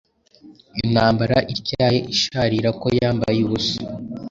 Intambara ityaye isharira ko yambaye ubusa